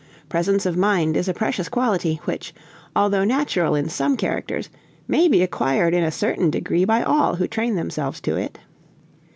Presence of mind is a precious quality, which, although natural in some characters, may be acquired in a certain degree by all who train themselves to it."